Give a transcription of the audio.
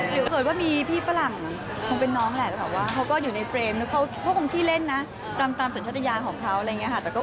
เดี๋ยวเกิดว่ามีพี่ฝรั่งคงเป็นน้องแหละแต่ว่าเขาก็อยู่ในเฟรมแล้วเขาคงขี้เล่นนะตามสัญชาติยานของเขาอะไรอย่างนี้ค่ะ